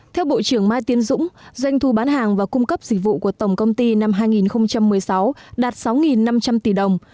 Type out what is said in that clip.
theo bộ trưởng mai tiến dũng doanh thu bán hàng và cung cấp dịch vụ của tổng công ty năm hai nghìn một mươi sáu đạt sáu năm trăm linh tỷ đồng